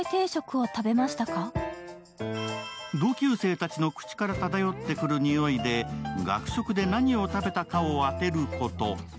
同級生たちの口からただよってくる匂いで学食で何を食べてるか当てること。